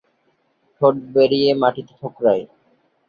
ঠোঁট বেরিয়ে মাটিতে ঠোকরায়।